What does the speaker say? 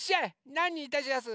なんにいたします？